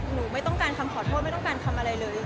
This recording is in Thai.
ไม่ต้องการคำขอโทษไม่ต้องการทำอะไรเลย